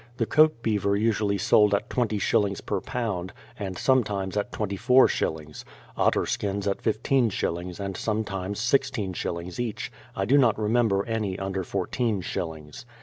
The coat beaver usually sold at twenty shillings per lb., and sometimes at twenty four shillings; otter skins at fifteen shillings, and sometimes sixteen shillings each, — I do not remember any under four teen shillings.